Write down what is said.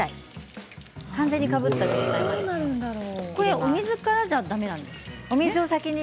お水からじゃだめなんですか。